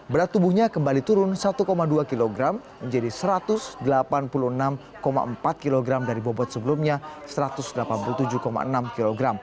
berat tubuhnya kembali turun satu dua kg menjadi satu ratus delapan puluh enam empat kg dari bobot sebelumnya satu ratus delapan puluh tujuh enam kg